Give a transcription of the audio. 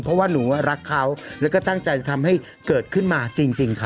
เพราะว่าหนูรักเขาแล้วก็ตั้งใจจะทำให้เกิดขึ้นมาจริงค่ะ